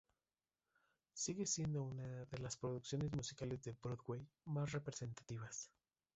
Sigue siendo una de las producciones musicales de Broadway más representadas.